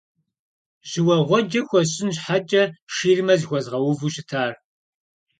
Жьыуэгъуэджэ хуэсщӀын щхьэкӀэ, ширмэ зыхуэзгъэуву щытар.